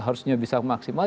harusnya bisa maksimal